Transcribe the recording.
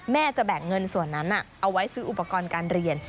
จะแบ่งเงินส่วนนั้นเอาไว้ซื้ออุปกรณ์การเรียน